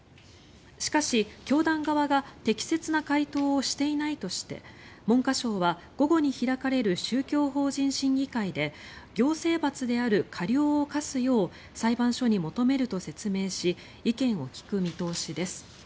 しかし、教団側が適切な回答をしていないとして文科省は午後に開かれる宗教法人審議会で行政罰である過料を科すよう裁判所に求めると説明し意見を聞く見通しです。